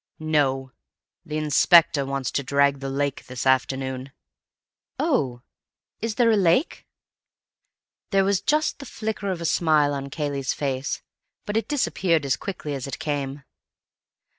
"No. The inspector wants to drag the lake this afternoon." "Oh! Is there a lake?" There was just the flicker of a smile on Cayley's face, but it disappeared as quickly as it came.